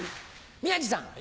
宮治さん。